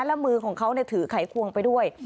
แล้วมือของเขาถือไขควงไปด้วย